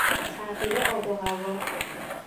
تغییر آب و هوا